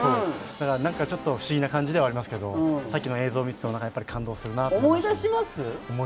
何かちょっと不思議な感じではありますけど、さっきの映像を見ていても、ちょっと感動するなと。